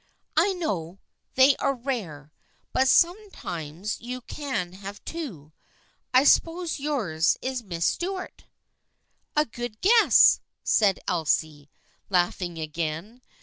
" I know they are rare, but sometimes you can have two. I suppose yours is Miss Stuart." " A good guess," said Elsie, laughing again.